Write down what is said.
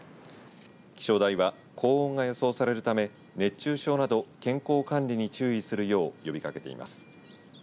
気象台は、高温が予想されるため熱中症など健康管理に注意するよう呼びかけています。